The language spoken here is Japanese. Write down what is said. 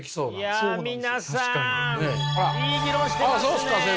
いや皆さんいい議論してますね！